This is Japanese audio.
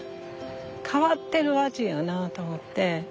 変わってる味やなと思って。